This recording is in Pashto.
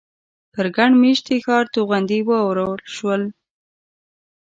پر ګڼ مېشتي ښار توغندي وورول شول.